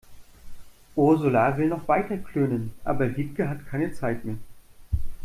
Ursula will noch weiter klönen, aber Wiebke hat keine Zeit mehr.